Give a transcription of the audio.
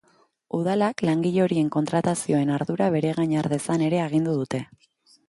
Udalak langile horien kontratazioen ardura beregain har dezan ere agindu dute.